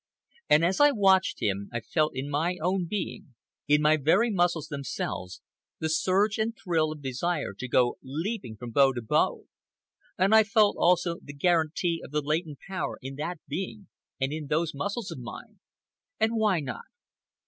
And as I watched him I felt in my own being, in my very muscles themselves, the surge and thrill of desire to go leaping from bough to bough; and I felt also the guarantee of the latent power in that being and in those muscles of mine. And why not?